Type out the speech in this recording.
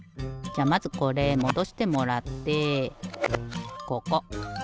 じゃあまずこれもどしてもらってここ。